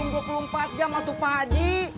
belum dua puluh empat jam waktu pak haji